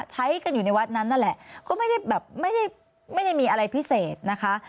ใช้กันอยู่ในวัดนั้นนั่นแหละก็ไม่ได้แบบไม่ได้มีอะไรพิเศษนะคะ